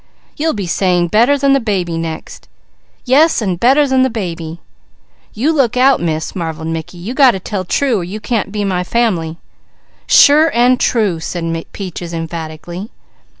"You'll be saying better than the baby, next!" "Yes, an' better than the baby!" "You look out Miss," marvelled Mickey. "You got to tell true or you can't be my family." "Sure and true!" said Peaches emphatically.